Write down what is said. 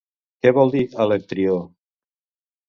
Què vol dir Alectrió?